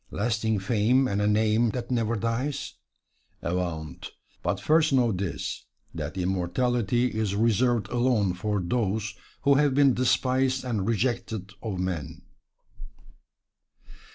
Lasting fame and a name that never dies? Avaunt! but first know this, that immortality is reserved alone for those who have been despised and rejected of men.